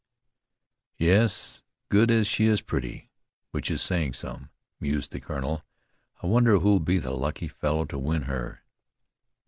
"Yes, good as she is pretty, which is saying some," mused the colonel. "I wonder who'll be the lucky fellow to win her."